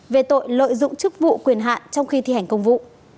về tội lợi dụng chức vụ quyền hạn trong khi thi hành công vụ